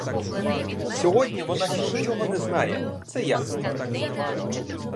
Сьогодні вона ще нічого не знає — це ясно.